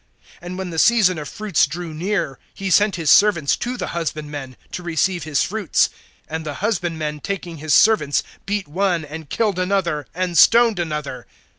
(34)And when the season of fruits drew near, he sent his servants to the husbandmen, to receive his fruits. (35)And the husbandmen taking his servants, beat one, and killed another, and stoned another.